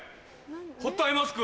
ホットアイマスク？